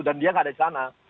dan dia enggak ada di sana